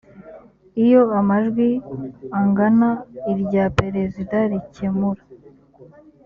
iyo amajwi angana irya perezida rikemura